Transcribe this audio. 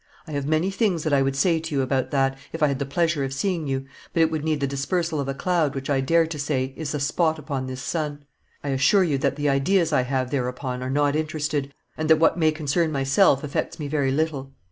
I have many things that I would say to you about that, if I had the pleasure of seeing you, but it would need the dispersal of a cloud which I dare to say is a spot upon this sun. I assure you that the ideas I have thereupon are not interested, and that what may concern myself affects me very little.